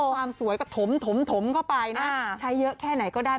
ความสวยก็ถมเข้าไปนะใช้เยอะแค่ไหนก็ได้